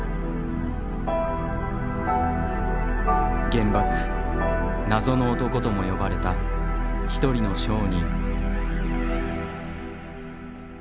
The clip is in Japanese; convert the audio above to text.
原爆謎の男とも呼ばれた一人の商人。